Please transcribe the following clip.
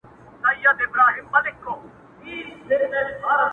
زما د وطــن پيـــغـــــلو خو غمونــــه دي گاللي ـ